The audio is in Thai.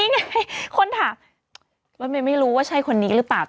นี่ไงคนถามรถเมย์ไม่รู้ว่าใช่คนนี้หรือเปล่า